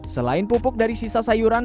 selain pupuk dari sisa sayuran